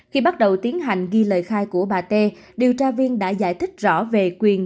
khi bắt đầu tiến hành ghi lời khai của bà tê điều tra viên đã giải thích rõ về quyền